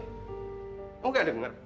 kamu nggak denger